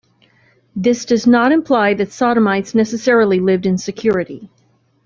This does not imply that sodomites necessarily lived in security.